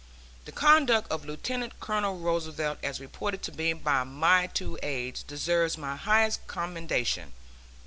The conduct of Lieutenant Colonel Roosevelt, as reported to me by my two aides, deserves my highest commendation.